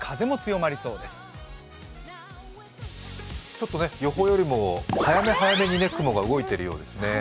ちょっと予報よりも早め、早めに雲が動いているようですね。